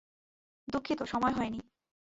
দুঃখিত সময় হয়নি।